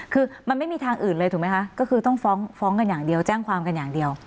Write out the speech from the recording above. คือมันไม่มีทางอื่นเลยถูกไหมคะก็คือต้องฟ้องกันอย่างเดียวแจ้งความกันอย่างเดียว